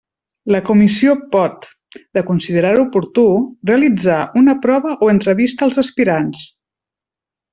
La comissió pot, de considerar-ho oportú, realitzar una prova o entrevista als aspirants.